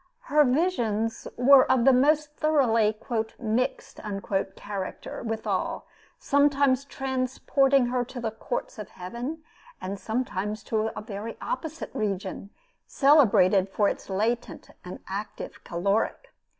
Her visions were of the most thoroughly "mixed" character withal, sometimes transporting her to the courts of heaven, and sometimes to a very opposite region, celebrated for its latent and active caloric.